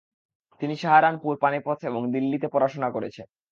তিনি সাহারানপুর, পানিপথ এবং দিল্লিতে পড়াশোনা করেছেন।